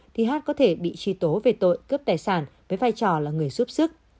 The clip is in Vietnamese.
thì hát có thể bị tri tố về tội cướp tài sản với vai trò là người xúc xức